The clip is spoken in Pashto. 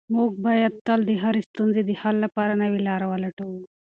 موږ باید تل د هرې ستونزې د حل لپاره نوې لاره ولټوو.